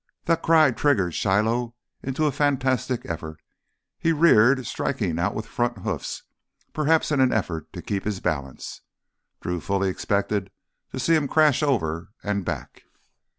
The cry triggered Shiloh into a fantastic effort. He reared, striking out with front hoofs, perhaps in an effort to keep his balance. Drew fully expected to see him crash over and back.